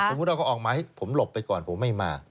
ว่าเขาออกมาให้ผมหลบไปก่อนผมไม่มา